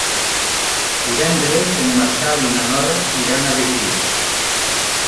Divendres en Marcel i na Nora iran a Begís.